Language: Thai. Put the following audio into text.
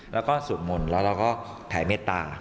แล้วก็สูบหม่นแล้วเราก็ถ่ายเม็ดตา